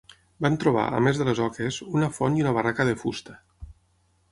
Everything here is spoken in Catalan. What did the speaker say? Van trobar, a més de les oques, una font i una barraca de fusta